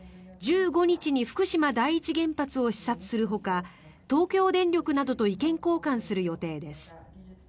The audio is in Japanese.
１５日に福島第一原発を視察するほか東京電力などと意見交換する予定です。